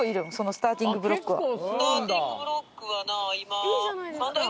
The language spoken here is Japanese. スターティングブロックは今。